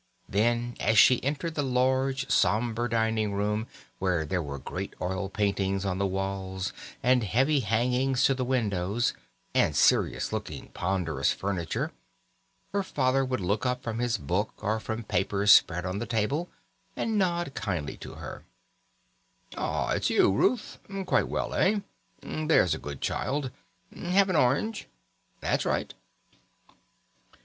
Then, as she entered the large sombre dining room, where there were great oil paintings on the walls and heavy hangings to the windows, and serious looking ponderous furniture, her father would look up from his book, or from papers spread on the table, and nod kindly to her: "Ah! it's you, Ruth. Quite well, eh? There's a good child. Have an orange? That's right."